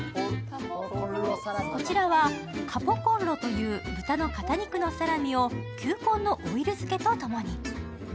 こちらはカポコッロという豚の肩肉の球根のオイル漬けとともに。